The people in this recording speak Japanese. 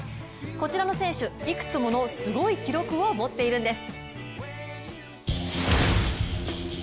こちらの選手、いくつものすごい記録を持っているんです。